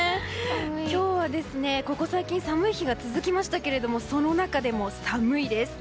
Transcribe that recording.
今日は、ここ最近寒い日が続きましたがその中でも寒いです。